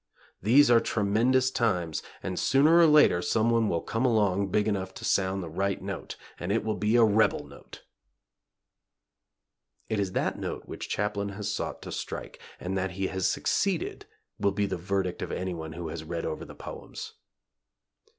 . These are tremendous times, and sooner or later someone will come along big enough to sound the right note, and it will be a rebel note." It is that note which Chaplin has sought to strike, and that he has succeeded will be the verdict of anyone who has read over the poems.